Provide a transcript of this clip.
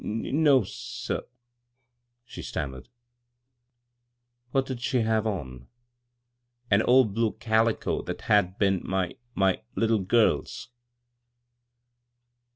" N no, sir," she stammered. " What did she have on ?"" An old blue calico that had been my — my little girl's."